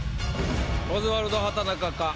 オズワルド畠中か？